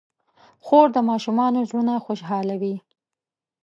خور د ماشومانو زړونه خوشحالوي.